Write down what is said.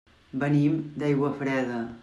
Venim d'Aiguafreda.